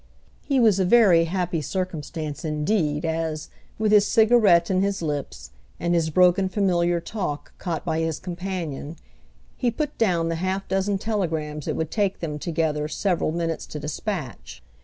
He was a very happy circumstance indeed as, with his cigarette in his lips and his broken familiar talk caught by his companion, he put down the half dozen telegrams it would take them together several minutes to dispatch.